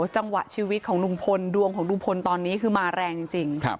จังหวะชีวิตของลุงพลดวงของลุงพลตอนนี้คือมาแรงจริง